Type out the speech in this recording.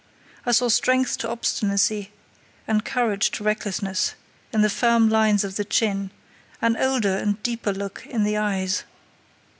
I saw strength to obstinacy and courage to recklessness, in the firm lines of the chin; an older and deeper look in the eyes.